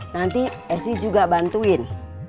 nanti sc juga bantuin